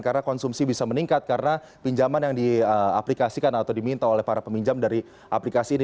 karena konsumsi bisa meningkat karena pinjaman yang diaplikasikan atau diminta oleh para peminjam dari aplikasi ini